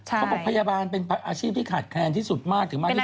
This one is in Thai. เขาบอกพยาบาลเป็นอาชีพที่ขาดแคลนที่สุดมากถึงมากที่สุด